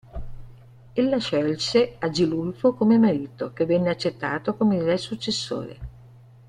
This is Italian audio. Ella scelse Agilulfo come marito, che venne accettato come il re successore.